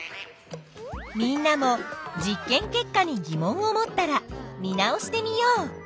みんなも実験結果に疑問を持ったら見直してみよう。